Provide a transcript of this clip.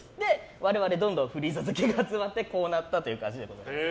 我々、どんどんフリーザが集まってこうなったという感じです。